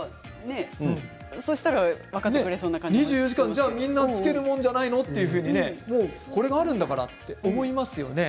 ２４時間みんなつけるものじゃないのとこれがあるんだからと思いますよね。